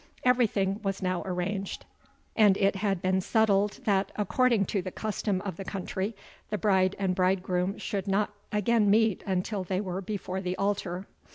Everything was now arranged; and it had been settled that, according to the custom of the country, the bride and bridegroom should not again meet until they were before the altar.